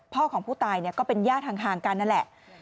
ของผู้ตายก็เป็นญาติห่างกันนั่นแหละ